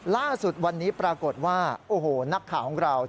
ล่าสุดวันนี้ปรากฏว่าโอ้โหนักข่าวของเรา